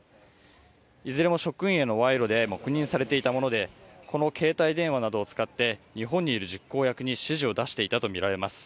いずれも職員への賄賂で黙認されていたものでこの携帯電話などを使って日本にいる実行役に指示を出していたとみられます。